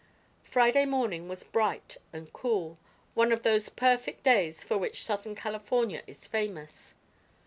Friday morning was bright and cool one of those perfect days for which Southern California is famous.